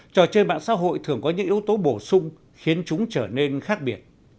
trò chơi mạng xã hội thường có những yếu tố bổ sung khiến chúng trở nên khác biệt